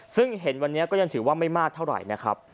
ซึ่งเห็นวันนี้ก็ยังถือว่าไม่มากเท่าไหร่นะครับ